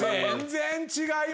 全然違う！